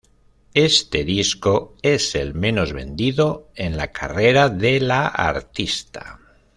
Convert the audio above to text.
Este disco es el menos vendido en la carrera de la artista.